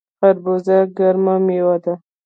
خربوزه ګرمه میوه ده